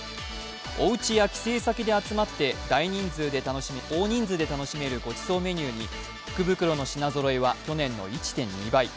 おうちや帰省先で集まって大人数で楽しめるごちそうメニューに福袋の品ぞろえは去年の１．２倍。